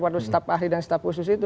waduh staf ahli dan staf khusus itu